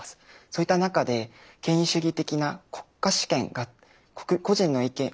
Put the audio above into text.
そういった中で権威主義的な国家主権が個人の意見